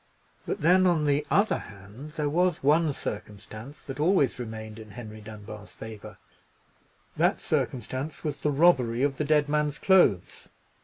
But then, on the other hand, there was one circumstance that always remained in Henry Dunbar's favour—that circumstance was the robbery of the dead man's clothes.